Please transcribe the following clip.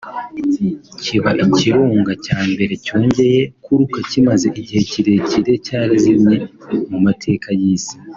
kiba ikirunga cya mbere cyongeye kuruka kimaze igihe kirekire cyarazimye mu mateka y’isi